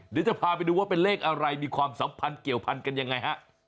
เดี๋ยวจะพาไปดูว่าเป็นเลขอะไรมีความสัมพันธ์เกี่ยวพันกันยังไงฮะ